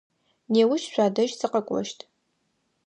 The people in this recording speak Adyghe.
Неущ шъуадэжь сыкъэкӏощт.